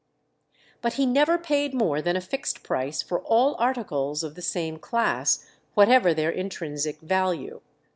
But he never paid more than a fixed price for all articles of the same class, whatever their intrinsic value.